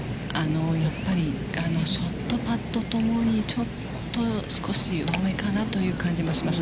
やっぱりショット、パット、共に、ちょっと、少し弱めかなという感じがします。